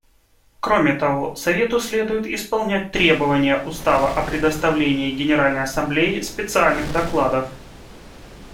Кроме того, Совету следует исполнять требования Устава о представлении Генеральной Ассамблее специальных докладов.